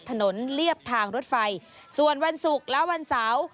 ถนนเลียบทางรถไฟส่วนวันสุกแล้ววันเสาร์